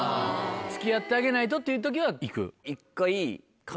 付き合ってあげないとっていう時はいく？